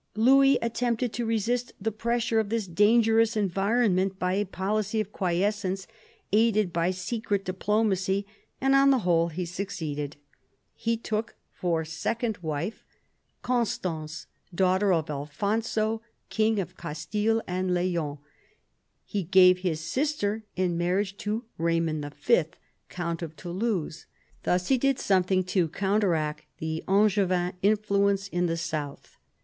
Louis attempted to resist the pressure of this dangerous environment by a policy of quiescence aided by secret diplomacy ; and, on the whole, he succeeded. He took for second wife Con 8 PHILIP AUGUSTUS chap. stance, daughter of Alfonso, king of Castile and Leon. He gave his sister in marriage to Eaymond V., count of Toulouse. Thus he did something to counteract the Angevin influence in the south.